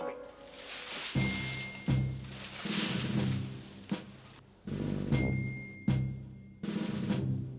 gebur kep chia